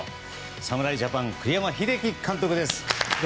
侍ジャパン栗山英樹監督です。